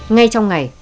ngay trong ngày